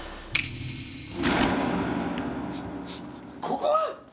ここは？